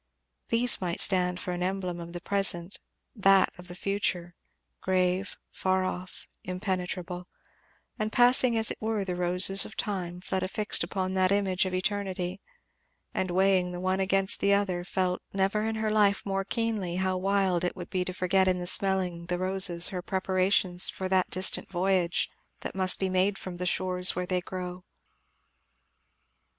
These might stand for an emblem of the present; that, of the future, grave, far off, impenetrable; and passing as it were the roses of time Fleda fixed upon that image of eternity; and weighing the one against the other, felt, never in her life more keenly, how wild it would be to forget in smelling the roses her preparations for that distant voyage that must be made from the shores where they grow.